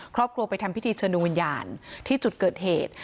ครอบครัวไปทำพิธีเชิญดวงวิญญาณที่จุดเกิดเหตุ